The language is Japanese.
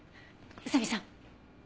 宇佐見さん。